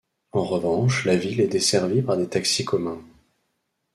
En revanche la ville est desservie par des taxis communs.